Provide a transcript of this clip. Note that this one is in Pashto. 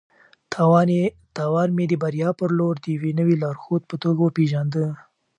تاوان مې د بریا په لور د یوې نوې لارښود په توګه وپېژانده.